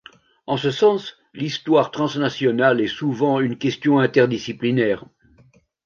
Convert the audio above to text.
En ce sens, l'histoire transnationale est souvent une question interdisciplinaire.